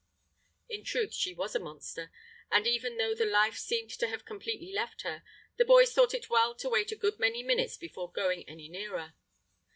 In truth she was a monster; and even though the life seemed to have completely left her, the boys thought it well to wait a good many minutes before going any nearer.